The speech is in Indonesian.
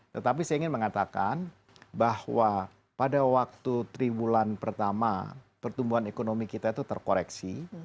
tetapi saya ingin mengatakan bahwa pada waktu tiga bulan pertama pertumbuhan ekonomi kita itu terkoreksi